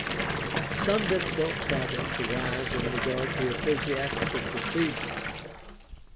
Some difficult problems arise in regard to ecclesiastical procedure.